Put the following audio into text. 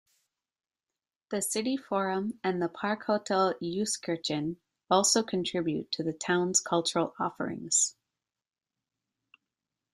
The City Forum and the Parkhotel Euskirchen also contribute to the town's cultural offerings.